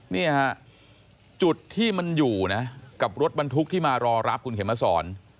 นี่ฮะจุดที่มันอยู่นะกับรถบรรทุกที่มารอรับคุณเข็มมาสอน